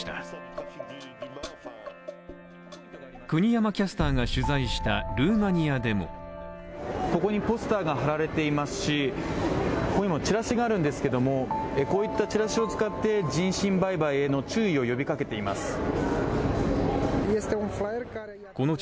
国山キャスターが取材したルーマニアでもここにポスターが貼られていますしここにもチラシがあるんですけど、こうしたチラシを使って人身売買への注意を呼びかけています。